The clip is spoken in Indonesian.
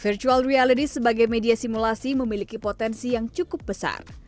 virtual reality sebagai media simulasi memiliki potensi yang cukup besar